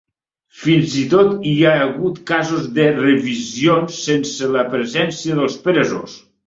Fins i tot hi ha hagut casos de revisions sense la presència dels presos.